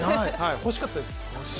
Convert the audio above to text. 欲しかったです。